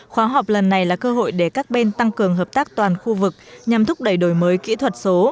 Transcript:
khóa học lần này là cơ hội để các bên tăng cường hợp tác toàn khu vực nhằm thúc đẩy đổi mới kỹ thuật số